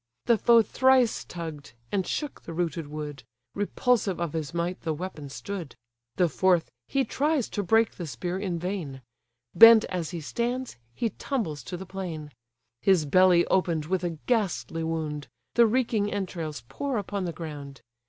The foe thrice tugg'd, and shook the rooted wood; Repulsive of his might the weapon stood: The fourth, he tries to break the spear in vain; Bent as he stands, he tumbles to the plain; His belly open'd with a ghastly wound, The reeking entrails pour upon the ground.